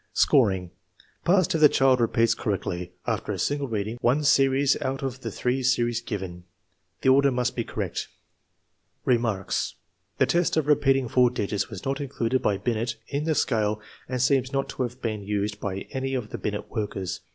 Scoring. Passed if the child repeats correctly, after a single reading, one series out of the three series given. The order must be correct. Remarks. The test of repeating four digits was not included by Binet in the scale and seems not to have been used by any of the Binet workers.